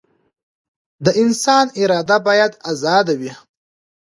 د انسان اراده بايد ازاده وي.